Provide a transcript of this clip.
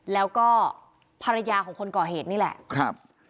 แล้วก็ภรรยาของคนก่อเหตุนี่แหละครับ